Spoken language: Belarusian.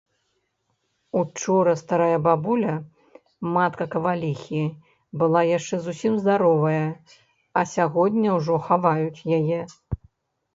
Учора старая бабуля, матка каваліхі, была яшчэ зусім здаровая, а сягоння ўжо хаваюць яе.